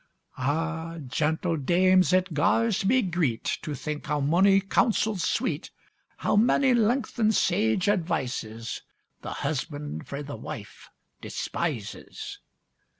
Ah, gentle dames! it gars me greet, To think how mony counsels sweet, How many lengthened sage advices, The husband frae the wife despises!